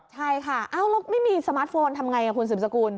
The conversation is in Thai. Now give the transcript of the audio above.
ใช่ค่ะแล้วไม่มีสมาร์ทโฟนทำอย่างไรคุณศูนย์สกุล